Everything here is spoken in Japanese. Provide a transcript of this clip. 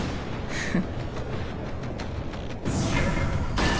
フッ。